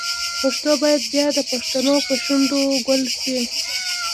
پښتو باید بیا د پښتنو په شونډو ګل شي.